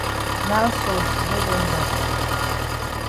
Now so day don dak.